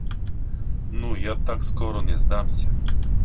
Ну, я так скоро не сдамся.